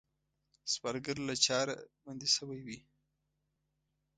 سوالګر له چاره بنده شوی وي